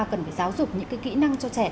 cần phải giáo dục những kỹ năng cho trẻ